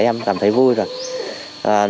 em cảm thấy vui rồi